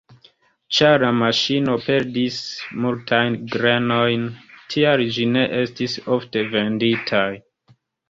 Ĉar la maŝino perdis multajn grenojn, tial ĝi ne estis ofte venditaj.